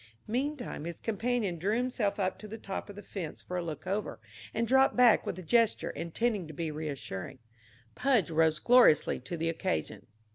Meantime his companion drew himself up to the top of the fence for a look over, and dropped back with a gesture intended to be reassuring. Pudge rose gloriously to the occasion.